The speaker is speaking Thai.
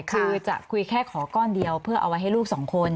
คือจะคุยแค่ขอก้อนเดียวเพื่อเอาไว้ให้ลูกสองคน